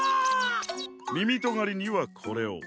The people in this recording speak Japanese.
みみとがりにはこれを。